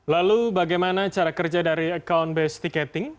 lalu bagaimana cara kerja dari account based ticketing